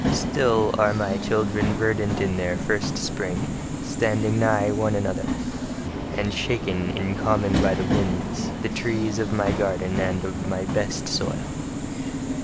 Still are my children verdant in their first spring, standing nigh one another, and shaken in common by the winds, the trees of my garden and of my best soil.